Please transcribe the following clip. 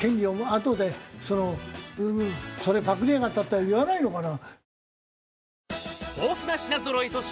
あとで「それパクりやがった」って言わないのかな？